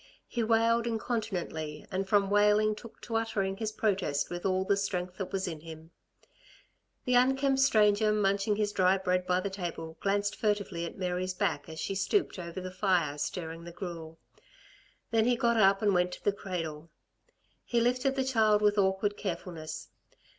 He wailed incontinently and from wailing took to uttering his protest with all the strength that was in him. The unkempt stranger munching his dry bread by the table, glanced furtively at Mary's back as she stooped over the fire stirring the gruel; then he got up and went to the cradle. He lifted the child with awkward carefulness.